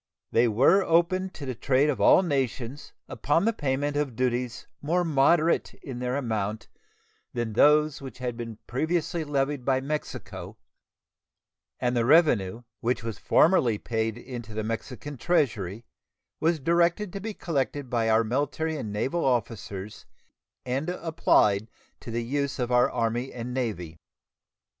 They were opened to the trade of all nations upon the payment of duties more moderate in their amount than those which had been previously levied by Mexico, and the revenue, which was formerly paid into the Mexican treasury, was directed to be collected by our military and naval officers and applied to the use of our Army and Navy.